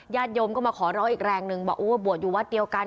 ญาติยมก็มาขอเลิกแรงหนึ่งบอกว่าบัวอยู่วัดเดียวกัน